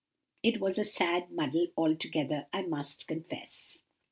It was a sad muddle altogether, I must confess.